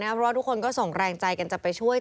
เพราะว่าทุกคนก็ส่งแรงใจกันจะไปช่วย